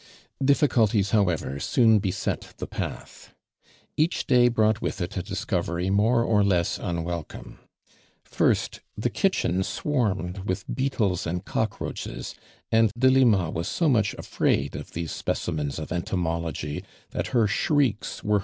"' Difficulties liowevor soon beset the patli. Kuch day brought with it a tliscoveiy moru or less unwelcome. First, tlio kitchen swarmed with beetles and cockroaches, and Delima was so mucli afraid of those speci mens of entomology that her shrieks woit?